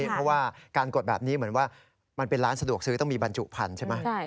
เพราะว่าการกดแบบนี้เหมือนว่ามันเป็นร้านสะดวกซื้อต้องมีบรรจุพันธุ์ใช่ไหม